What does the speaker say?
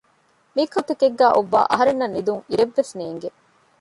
މިކަހަލަ ހިޔާލު ތަކެއްގައި އޮއްވައި އަހަރެންނަށް ނިދުން އިރެއްވެސް ނޭންގެ